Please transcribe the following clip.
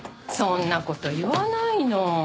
そんな事言わないの。